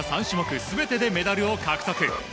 ３種目全てでメダルを獲得。